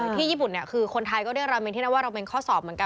ที่ญี่ปุ่นเนี่ยคือคนไทยก็ได้ราเมนที่นั่นว่าเราเป็นข้อสอบเหมือนกัน